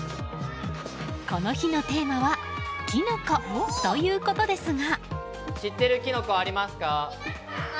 この日のテーマはキノコということですが。